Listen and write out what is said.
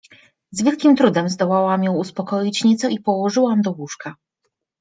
Z wielkim trudem zdołałam ją uspokoić nieco i położyłam do łóżka.